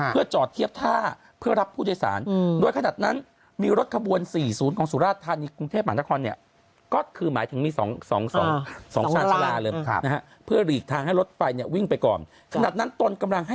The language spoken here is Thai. เพื่อจอดเทียบท่าเพื่อรับผู้โดยสาร